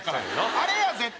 あれや絶対！